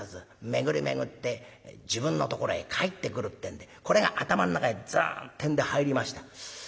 巡り巡って自分のところへ返ってくるってんでこれが頭ん中へずんってんで入りました。